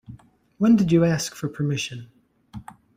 When did you ask for permission?